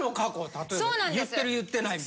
例えば言ってる言ってないみたいな。